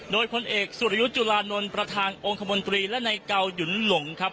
โดยพลเอกสุริยุจุลานนท์ประธานองค์คมนตรีและในเกาหยุนหลงครับ